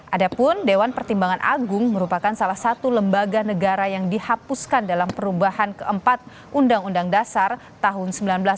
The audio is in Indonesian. adapun dewan pertimbangan agung merupakan salah satu lembaga negara yang dihapuskan dalam perubahan keempat undang undang dasar tahun seribu sembilan ratus empat puluh lima